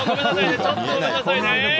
ちょっとごめんなさいね。